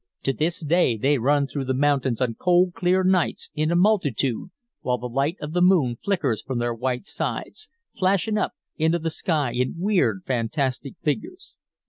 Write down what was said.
To this day they run through the mountains on cold, clear nights, in a multitude, while the light of the moon flickers from their white sides, flashing up into the sky in weird, fantastic figures.